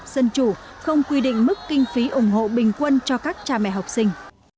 dân chủ không quy định mức kinh phí ủng hộ bình quân cho các cha mẹ học sinh